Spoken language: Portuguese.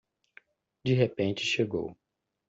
De repente chegou